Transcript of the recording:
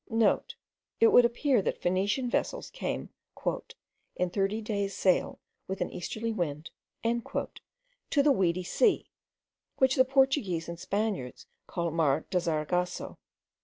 *(* It would appear that Phoenician vessels came "in thirty days' sail, with an easterly wind," to the weedy sea, which the Portuguese and Spaniards call mar de zargasso.